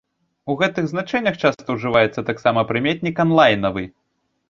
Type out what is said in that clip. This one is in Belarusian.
У гэтых значэннях часта ўжываецца таксама прыметнік анлайнавы.